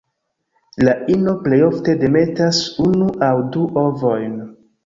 La ino plej ofte demetas unu aŭ du ovojn.